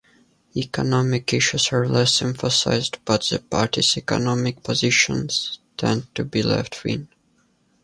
Economic issues are less emphasized but the party's economic positions tend to be left-wing.